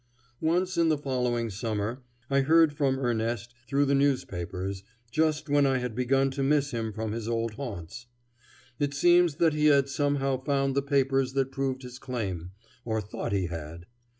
Once in the following summer I heard from Erneste through the newspapers, just when I had begun to miss him from his old haunts. It seems that he had somehow found the papers that proved his claim, or thought he had.